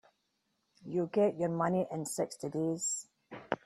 You'll get your money in sixty days.